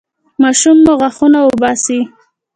ماشوم مو غاښونه وباسي؟